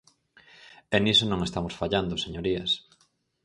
E niso non estamos fallando, señorías.